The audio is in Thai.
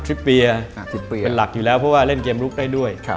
เปียเป็นหลักอยู่แล้วเพราะว่าเล่นเกมลุกได้ด้วย